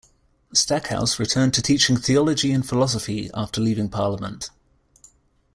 Stackhouse returned to teaching theology and philosophy after leaving parliament.